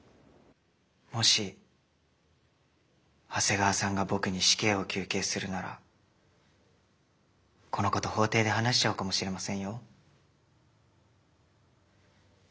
もし長谷川さんが僕に死刑を求刑するならこのこと法廷で話しちゃうかもしれませんよ。